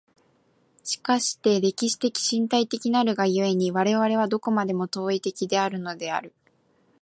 しかして歴史的身体的なるが故に、我々はどこまでも当為的であるのである。